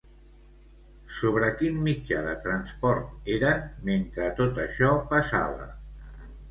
Sobre quin mitjà de transport eren, mentre tot això passava?